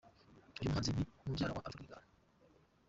Uyu muhanzi ni mubyara wa Alpha Rwirangira.